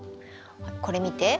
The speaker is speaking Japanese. これ見て。